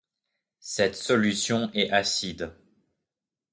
Cette solution est acide.